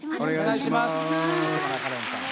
お願いします。